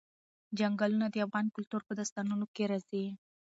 چنګلونه د افغان کلتور په داستانونو کې راځي.